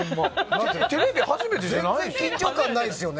テレビ初めてじゃないでしょ。